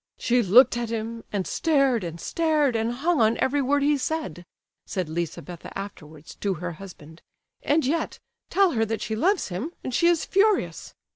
"She looked at him, and stared and stared, and hung on every word he said," said Lizabetha afterwards, to her husband, "and yet, tell her that she loves him, and she is furious!"